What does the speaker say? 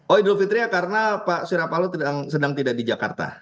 oh idul fitri ya karena pak surya paloh sedang tidak di jakarta